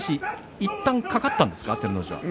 いったん、掛かったんですか？